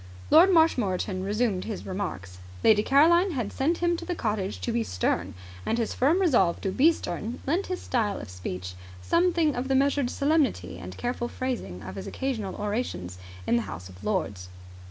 Lord Marshmoreton resumed his remarks. Lady Caroline had sent him to the cottage to be stern, and his firm resolve to be stern lent his style of speech something of the measured solemnity and careful phrasing of his occasional orations in the House of Lords.